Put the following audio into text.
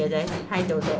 はいどうぞ。